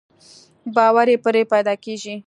باور يې پرې پيدا کېږي.